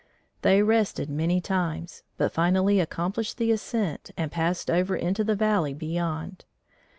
They rested many times, but finally accomplished the ascent and passed over into the valley beyond.